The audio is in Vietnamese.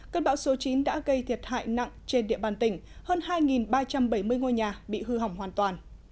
cơn bão số chín đã gây thiệt hại nặng trên địa bàn tỉnh hơn hai ba trăm bảy mươi ngôi nhà bị hư hỏng hoàn toàn